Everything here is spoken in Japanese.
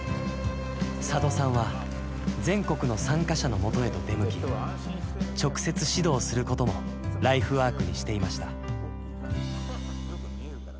佐渡さんは全国の参加者のもとへと出向き直接指導することもライフワークにしていましたおっきいからよく見えるからね。